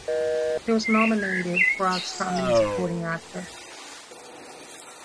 He was nominated for Outstanding Supporting Actor.